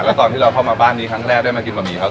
แล้วตอนที่เราเข้ามาบ้านนี้ครั้งแรกได้มากินบะหมี่ครับ